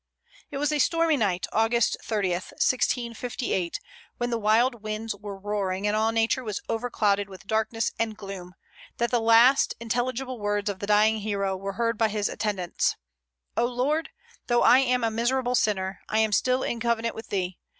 It was a stormy night, August 30, 1658, when the wild winds were roaring and all nature was overclouded with darkness and gloom, that the last intelligible words of the dying hero were heard by his attendants: "O Lord! though I am a miserable sinner, I am still in covenant with Thee.